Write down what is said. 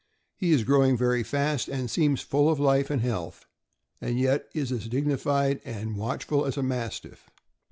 4 'He is growing very fast and seems full of life and health, and yet is as dignified and watchful as a Mastiff.